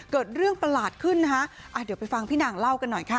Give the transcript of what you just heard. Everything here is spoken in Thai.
เกิดเรื่องประหลาดขึ้นนะคะอ่ะเดี๋ยวไปฟังพี่นางเล่ากันหน่อยค่ะ